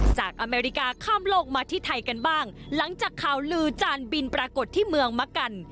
อเมริกาข้ามโลกมาที่ไทยกันบ้างหลังจากข่าวลือจานบินปรากฏที่เมืองมะกัน